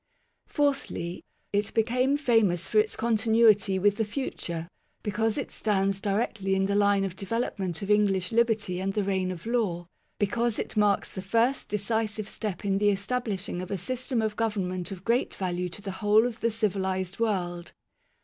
Fourthly. It is famous because of its continuity with the future; because it stands directly in the line of development of English liberty and the reign of law ; because it marks the first decisive step in the establish ing of a system of government of great value to the whole of the civilized world.